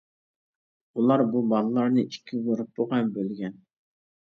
ئۇلار بۇ بالىلارنى ئىككى گۇرۇپپىغا بۆلگەن.